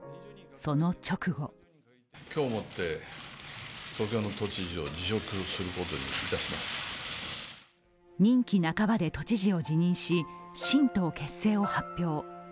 その直後任期半ばで都知事を辞任し、新党結成を発表。